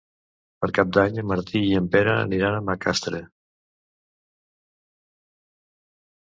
Per Cap d'Any en Martí i en Pere aniran a Macastre.